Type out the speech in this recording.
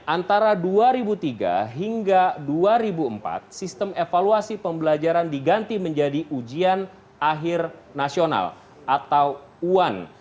antara dua ribu tiga hingga dua ribu empat sistem evaluasi pembelajaran diganti menjadi ujian akhir nasional atau uan